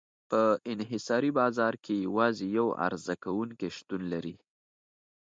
په انحصاري بازار کې یوازې یو عرضه کوونکی شتون لري.